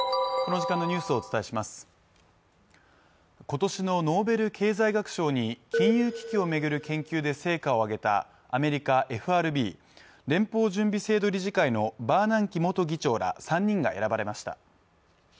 今年のノーベル経済学賞に金融危機を巡る研究で成果を上げたアメリカＦＲＢ＝連邦準備制度理事会のバーナンキ元議長ら３人が選ばれました。